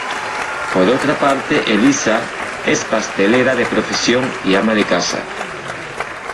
Por otra parte, Eliza es pastelera de profesión y ama de casa.